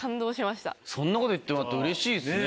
そんなこと言ってもらってうれしいですね。